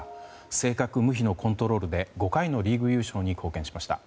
正確無比のコントロールで５回のリーグ優勝に貢献しました。